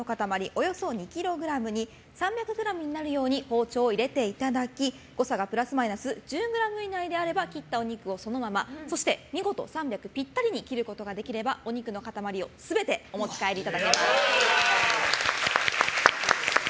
およそ２ｋｇに３００ｇになるように包丁を入れていただき誤差がプラスマイナス１０ｇ以内であれば切ったお肉をそのままそして見事３００ｇぴったりに切ることができればお肉の塊を全てお持ち帰りいただけます。